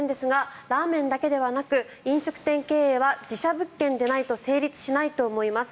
ラーメン店の件ですがラーメンだけではなく飲食店経営は自社物件でないと成立しないと思います。